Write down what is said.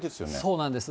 そうなんです。